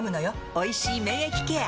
「おいしい免疫ケア」！